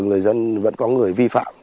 người dân vẫn có người vi phạm